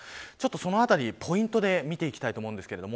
そのあたりポイントで見ていきたいと思います。